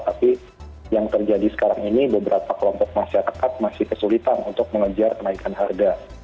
tapi yang terjadi sekarang ini beberapa kelompok masyarakat masih kesulitan untuk mengejar kenaikan harga